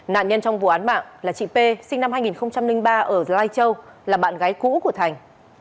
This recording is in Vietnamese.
nạn nhân trong vụ án mạng là chị p sinh năm hai nghìn ba ở lai châu là bạn gái cũ của thành